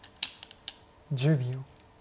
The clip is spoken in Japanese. １０秒。